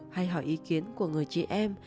hay hỏi ý kiến của người chị em